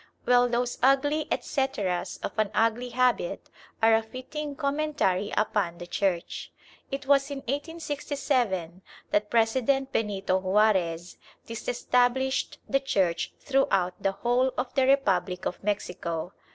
Well, those ugly etceteras of an ugly habit are a fitting commentary upon the Church. It was in 1867 that President Benito Juarez disestablished the Church throughout the whole of the Republic of Mexico.